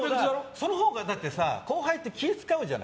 その方がだってさ後輩って気ぃ使うじゃない？